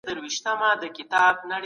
مطالعه د انسان پر اړيکو مثبت اغېز لري.